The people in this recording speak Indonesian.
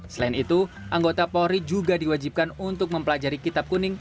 selain itu anggota polri juga diwajibkan untuk mempelajari kitab kuning